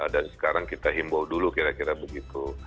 dan sekarang kita imbau dulu kira kira begitu